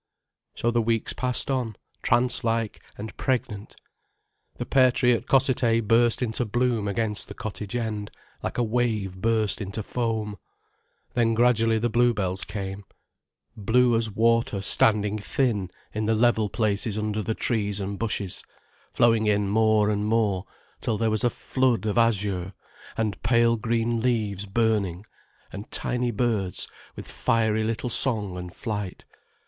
So the weeks passed on, trance like and pregnant. The pear tree at Cossethay burst into bloom against the cottage end, like a wave burst into foam. Then gradually the bluebells came, blue as water standing thin in the level places under the trees and bushes, flowing in more and more, till there was a flood of azure, and pale green leaves burning, and tiny birds with fiery little song and flight.